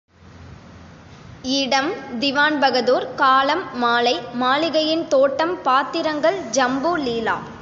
இடம் திவான் பகதூர் காலம் மாலை மாளிகையின் தோட்டம் பாத்திரங்கள் ஜம்பு, லீலா.